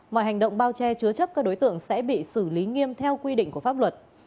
mọi hành động bao che chứa chấp các đối tượng sẽ bị xử lý nghiêm theo quy định của pháp luật